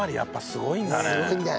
すごいんだね！